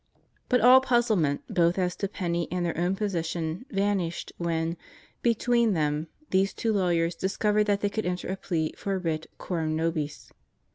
But all puzzlement, both as to Penney and their own position, vanished when, between them, these two lawyers discovered that they could enter a plea for a writ coram nobis.